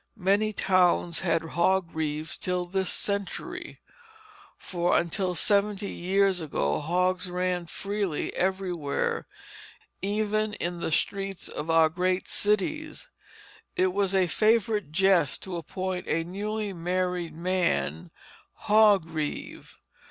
Many towns had hog reeves till this century; for until seventy years ago hogs ran freely everywhere, even in the streets of our great cities. It was a favorite jest to appoint a newly married man hog reeve.